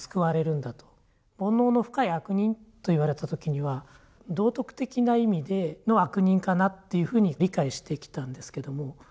「煩悩の深い悪人」と言われた時には道徳的な意味での「悪人」かなっていうふうに理解してきたんですけども。